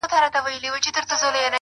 پرېږده دا زخم زړه ـ پاچا وویني،